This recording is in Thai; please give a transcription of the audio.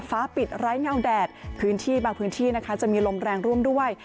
ฟ้าปิดไร้เงาแดดพื้นที่บางพื้นที่นะคะจะมีลมแรงร่วมด้วย